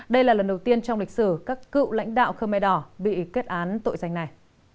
đây là lần đầu tiên trong lịch sử các cựu lãnh đạo khơ mê đỏ bị kết án tội danh này